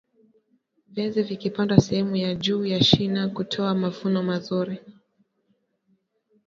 viazi vikipandwa sehemu ya juu ya shina hutoa mavuno mazuri